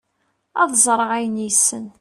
ad ẓreɣ ayen yessen